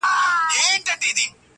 چی له خپلو انسانانو مو زړه شین سي-